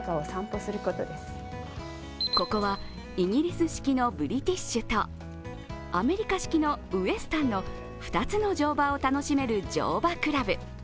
ここはイギリス式のブリティッシュとアメリカ式のウエスタンの２つの乗馬を楽しめる乗馬クラブ。